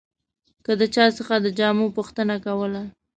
که د چا څخه د جامو پوښتنه کوله.